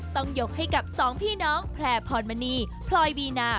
ต้องยกให้กับสองพี่น้องแพร่พรมณีพลอยวีนา